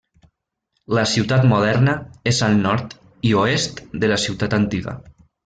La ciutat moderna és al nord i oest de la ciutat antiga.